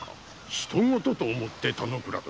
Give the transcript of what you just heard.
ひと事と思って田之倉殿。